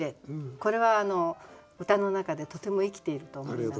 これは歌の中でとても生きていると思います。